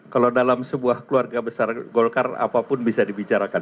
kalau dalam sebuah keluarga besar golkar apapun bisa dibicarakan